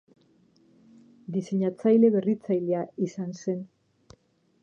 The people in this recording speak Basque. Diseinatzaile berritzailea izan zen.